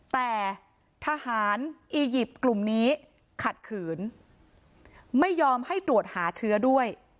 แต่ทหารอียิปต์กลุ่มนี้ขัดขืนไม่ยอมให้ตรวจหาเชื้อด้วย